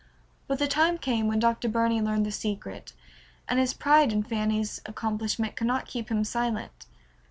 But the time came when Dr. Burney learned the secret, and his pride in Fanny's accomplishment could not keep him silent.